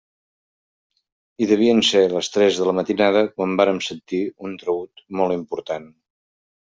I devien ser les tres de la matinada quan vàrem sentir un traüt molt important.